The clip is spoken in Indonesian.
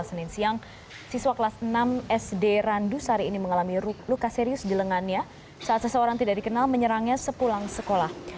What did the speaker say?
senin siang siswa kelas enam sd randusari ini mengalami luka serius di lengannya saat seseorang tidak dikenal menyerangnya sepulang sekolah